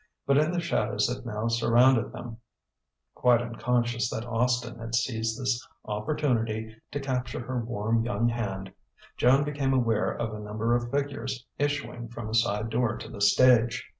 But in the shadows that now surrounded them (quite unconscious that Austin had seized this opportunity to capture her warm young hand) Joan became aware of a number of figures issuing from a side door to the stage.